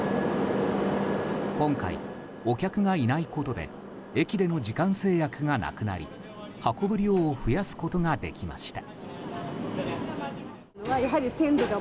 今回、お客がいないことで駅での時間制約がなくなり運ぶ量を増やすことができました。